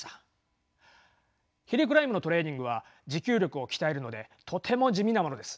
ヒルクライムのトレーニングは持久力を鍛えるのでとても地味なものです。